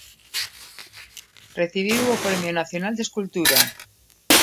Recibiu o Premio Nacional de Escultura.